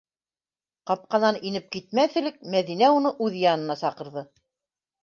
Ҡапҡанан инеп китмәҫ элек, Мәҙинә уны үҙ янына саҡырҙы: